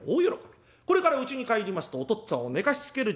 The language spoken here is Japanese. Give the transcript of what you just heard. これからうちに帰りますとお父っつぁんを寝かしつける。